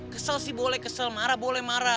kesel sih boleh kesel marah boleh marah